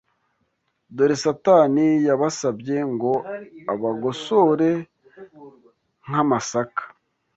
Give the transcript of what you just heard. dore Satani yabasabye ngo abagosore nk’amasaka